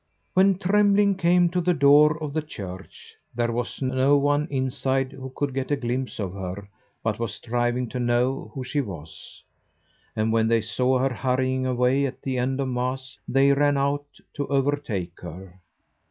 When Trembling came to the door of the church there was no one inside who could get a glimpse of her but was striving to know who she was; and when they saw her hurrying away at the end of Mass, they ran out to overtake her.